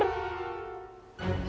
tapi kenapa kita malah seperti diusir